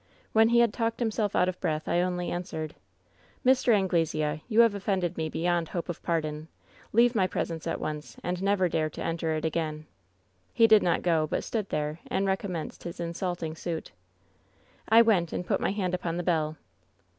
When he had talked himself out of breath I only answered :" 'Mr. Anglesea, you have offended me beyond hope of pardon. Leave my presence at once, and never dare to enter it again.' "He did not go, but stood there and recommenced his insulting suit. "I went and put my hand upon the bell.